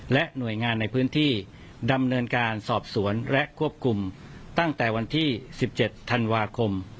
และหน่วยงานในพื้นที่ดำเนินการสอบสวนและควบคุมตั้งแต่วันที่๑๗ธันวาคม